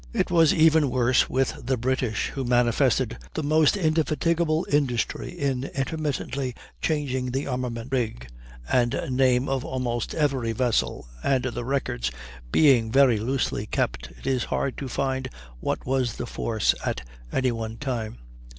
It was even worse with the British, who manifested the most indefatigable industry in intermittently changing the armament, rig, and name of almost every vessel, and, the records being very loosely kept, it is hard to find what was the force at any one time.